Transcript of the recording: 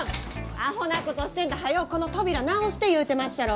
アホなことしてんとはようこの扉直して言うてまっしゃろ！